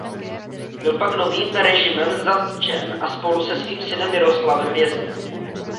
Byl pak novým režimem zatčen a spolu se svým synem Miroslavem vězněn.